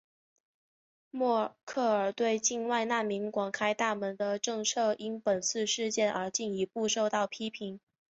默克尔对境外难民广开大门的政策因本次事件而进一步受到批评。